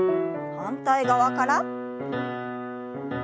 反対側から。